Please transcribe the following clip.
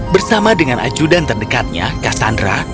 bersama dengan ajudan terdekatnya kassandra